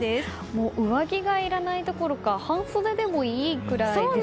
もう、上着がいらないどころか半袖でもいいくらいですかね。